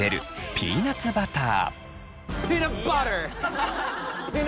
ピーナツバター。